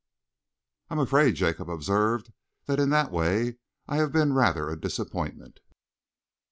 '" "I am afraid," Jacob observed, "that in that way I have been rather a disappointment."